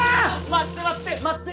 待って待って待って。